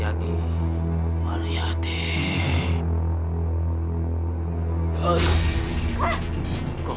jangan sampai kw jerry nidisambled